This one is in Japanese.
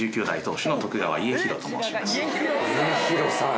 家広さん。